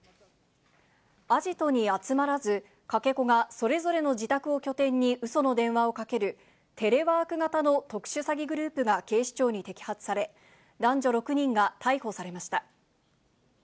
アジトに集まらず、かけ子がそれぞれの自宅を拠点にうその電話をかける、テレワーク型の特殊詐欺グループが警視庁に摘発され、男女６人が逮捕されました。